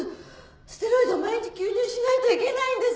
ステロイドを毎日吸入しないといけないんです